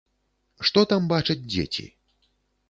Што там бачаць дзеці?